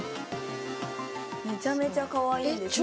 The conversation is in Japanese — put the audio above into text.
めちゃめちゃかわいいです。